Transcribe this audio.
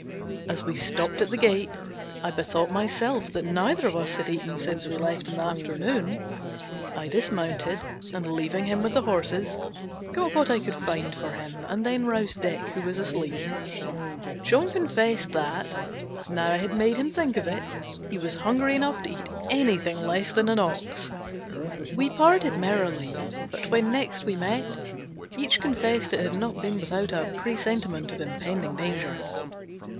As we stopped at the gate I bethought myself that neither of us had eaten since we left in the afternoon. I dismounted, and leaving him with the horses, got what I could find for him, and then roused Dick, who was asleep. John confessed that, now I had made him think of it, he was hungry enough to eat anything less than an ox. We parted merrily, but when next we met, each confessed it had not been without a presentiment of impending danger.